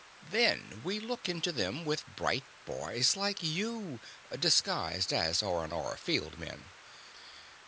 "Then we look into them with bright boys like you—disguised as R&R field men."